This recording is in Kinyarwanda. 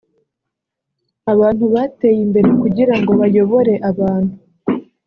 Abantu bateye imbere kugirango bayobore abantu